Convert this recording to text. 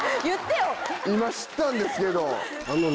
今知ったんですけど。